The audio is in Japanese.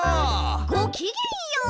ごきげんよう！